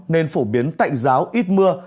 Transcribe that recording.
nên phổ biến tạnh giáo ít mưa